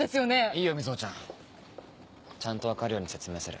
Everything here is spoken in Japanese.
⁉いいよ瑞穂ちゃんちゃんと分かるように説明する。